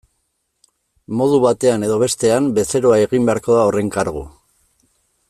Modu batean edo bestean, bezeroa egin beharko da horren kargu.